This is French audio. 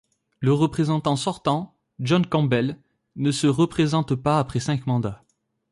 Le représentant sortant, John Campbell, ne se représente pas après cinq mandats.